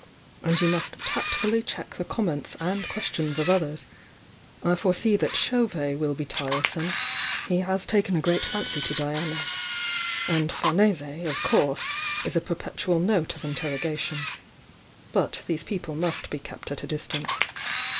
And you must tactfully check tiie comments and questions of others. I foresee that Chauvet will be tiresome, — he has taken a great fancy to Diana. And Famese, of course, is a perpetual note of interrogation. But these people must be kept at a distance.